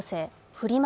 フリマ